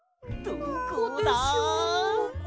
どこでしょう？